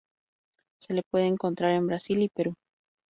Se la puede encontrar en Brasil y Perú.